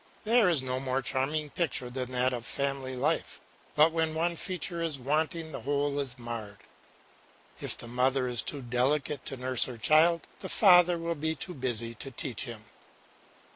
There is no more charming picture than that of family life; but when one feature is wanting the whole is marred. If the mother is too delicate to nurse her child, the father will be too busy to teach him.